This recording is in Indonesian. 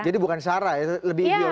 jadi bukan syarah ya lebih ideologis ya